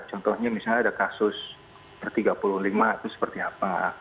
contohnya misalnya ada kasus per tiga puluh lima itu seperti apa